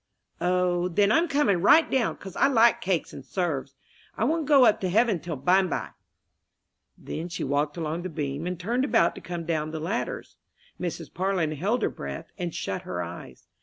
"O, then I'm coming right down, 'cause I like cake and 'serves. I won't go up to heaven till bime by!" Then she walked along the beam, and turned about to come down the ladders. Mrs. Parlin held her breath, and shut her eyes.